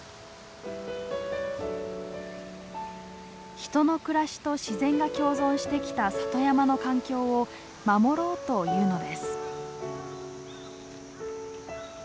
人の暮らしと自然が共存してきた里山の環境を守ろうというのです。